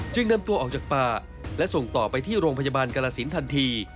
นำตัวออกจากป่าและส่งต่อไปที่โรงพยาบาลกรสินทันที